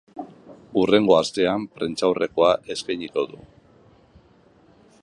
Hurrengo astean prentsaurrekoa eskainiko du.